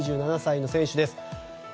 ２７歳の選手です。